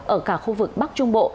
ở cả khu vực bắc trung bộ